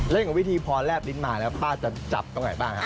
กับวิธีพอแลบลิ้นมาแล้วป้าจะจับตรงไหนบ้างครับ